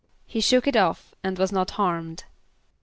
=He shook it off and was not harmed.